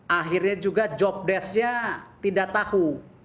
akhirnya juga job desk nya tidak tahu